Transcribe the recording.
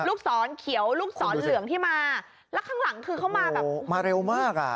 ลูกศรเขียวลูกศรเหลืองที่มาแล้วข้างหลังคือเขามาแบบมาเร็วมากอ่ะ